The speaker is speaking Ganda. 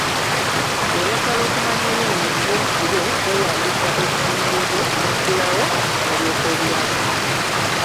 Bw'oyagala okumanya ebiri mu nju ensibe, weeyambisa ekisumuluzo, n'oggulawo, n'olyoka obiraba.